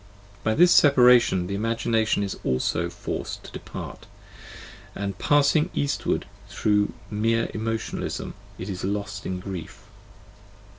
By this separation the imagination also is forced to depart, and passing eastward through mere emotionalism it is lost in grief.